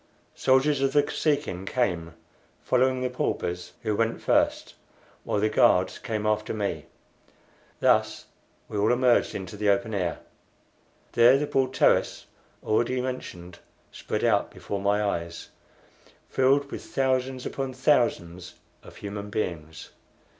Soldiers of the Kosekin came, following the paupers, who went first, while the guards came after me. Thus we all emerged into the open air. There the broad terrace already mentioned spread out before my eyes, filled with thousands upon thousands of human beings.